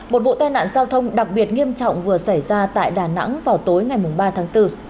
một vụ tai nạn giao thông đặc biệt nghiêm trọng vừa xảy ra tại đà nẵng vào tối ngày ba tháng bốn